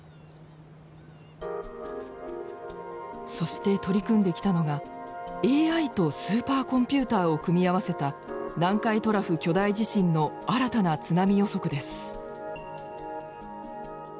そして取り組んできたのがＡＩとスーパーコンピューターを組み合わせた南海トラフ巨大地震の新たな津波予測です。